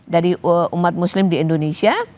dari umat muslim di indonesia